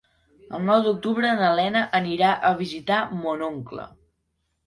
El nou d'octubre na Lena anirà a visitar mon oncle.